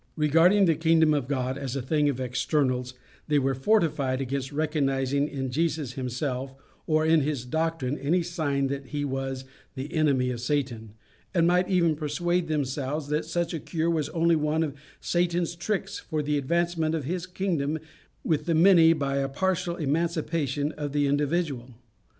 Regarding the kingdom of God as a thing of externals, they were fortified against recognizing in Jesus himself or in his doctrine any sign that he was the enemy of Satan, and might even persuade themselves that such a cure was only one of Satan's tricks for the advancement of his kingdom with the many by a partial emancipation of the individual.